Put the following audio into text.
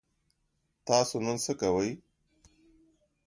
تاسو نن څه کوئ؟